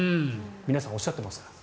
皆さんおっしゃってますから。